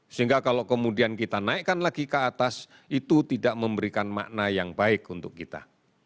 sehingga kalau kemudian kita naikkan lagi ke atas itu tidak memberikan makna yang baik untuk kita